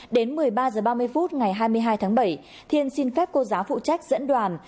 đến một mươi ba h ba mươi phút ngày hai mươi hai tháng bảy thiên xin phép cô giáo phụ trách dẫn đoàn